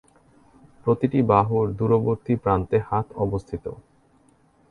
প্রতিটি বাহুর দূরবর্তী প্রান্তে হাত অবস্থিত।